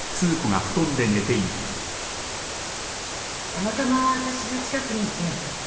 たまたま私が近くにいて。